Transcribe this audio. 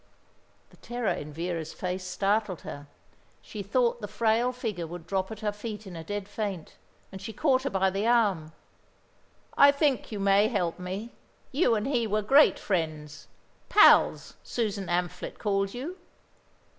The terror in Vera's face startled her. She thought the frail figure would drop at her feet in a dead faint, and she caught her by the arm. "I think you may help me. You and he were great friends, pals, Susan Amphlett called you."